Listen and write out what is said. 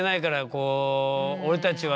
こう俺たちはね